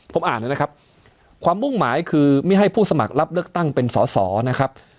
ผมอ่านเลยนะครับความมุ่งหมายคือไม่ให้ผู้สมัครรับเลือกตั้งเป็นสอสอนะครับ